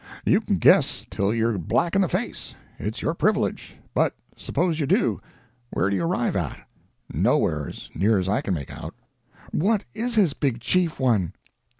You can guess till you're black in the face it's your privilege but suppose you do, where do you arrive at? Nowhere, as near as I can make out." "What is his big chief one?"